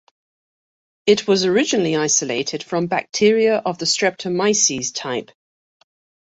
It was originally isolated from bacteria of the "Streptomyces" type.